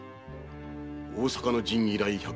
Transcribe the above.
大坂の陣以来百有余年